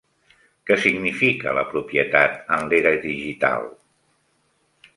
Què significa la propietat en l'era digital?